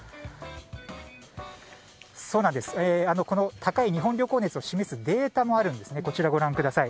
この高い日本旅行熱を示すデータもあるんですね。